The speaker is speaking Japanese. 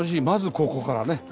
まずここからね。